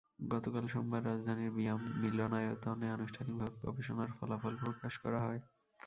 গতকাল সোমবার রাজধানীর বিয়াম মিলনায়তনে আনুষ্ঠানিকভাবে গবেষণার ফলাফল প্রকাশ করা হয়।